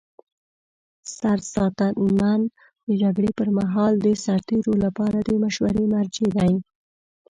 سرساتنمن د جګړې پر مهال د سرتیرو لپاره د مشورې مرجع دی.